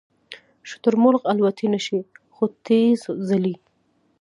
شترمرغ الوتلی نشي خو تېز ځغلي